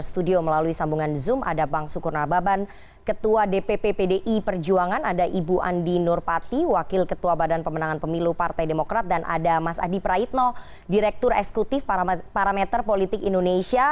saya mau direktur eksekutif parameter politik indonesia